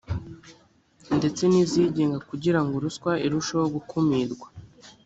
ndetse n izigenga kugira ngo ruswa irusheho gukumirwa